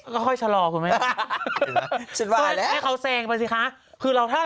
ก็ค่อยชะลอคุณแม่